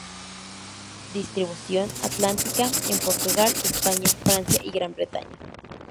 Distribución atlántica. En Portugal, España, Francia y Gran Bretaña.